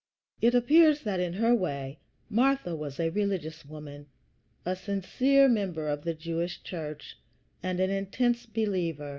It appears that in her way Martha was a religious woman, a sincere member of the Jewish Church, and an intense believer.